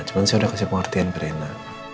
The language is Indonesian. cuma saya udah kasih pengertian ke rina